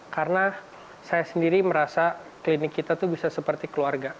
karena saya sendiri merasa klinik kita itu bisa seperti keluarga